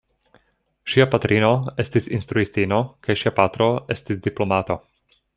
Ŝia patrino estis instruistino kaj ŝia patro estis diplomato.